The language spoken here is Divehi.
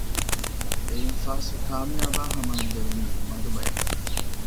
އެއިން ފާސްވެ ކާމިޔާބާ ހަމައަށް ދެވެނީ މަދުބަޔަކަށް